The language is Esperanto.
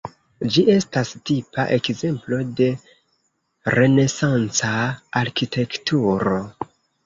Ĝi estas tipa ekzemplo de renesanca arkitekturo.